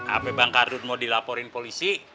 ap bang kardut mau dilaporin polisi